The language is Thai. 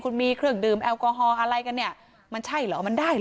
คุณมีเครื่องดื่มแอลกอฮอล์อะไรกันเนี่ยมันใช่เหรอมันได้เหรอ